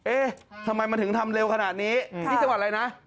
เอ๊ะทำไมมันถึงทำเร็วขนาดนี้ที่จังหวัดอะไรนะ